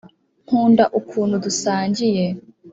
nkunda ukuntu dusangiye